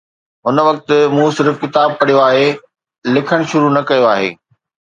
هن وقت مون صرف ڪتاب پڙهيو آهي، لکڻ شروع نه ڪيو آهي.